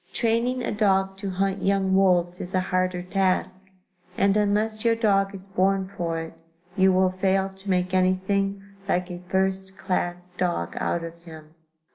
Training a dog to hunt young wolves is a harder task, and unless your dog is born for it, you will fail to make anything like a first class dog out of him.